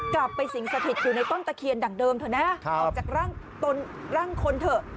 กลับไปสิ่งสถิตอยู่ในต้นตะเคียนดั่งเดิมเถอะนะออกจากร่างคนเถอะ